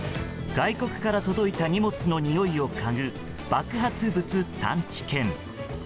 外国から届いた荷物のにおいをかぐ爆発物探知犬。